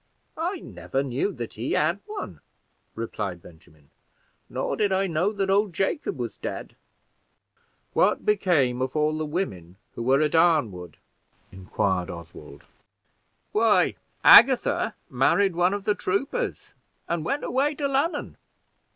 "I never knew that he had one," replied Benjamin; "nor did I know that old Jacob was dead." "What became of all the women who were at Arnwood?" inquired Oswald. "Why, Agatha married one of the troopers, and went away to London."